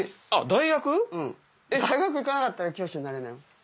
大学行かなかったら教師になれない。